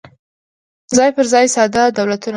څای پر ځای ساده دولتونه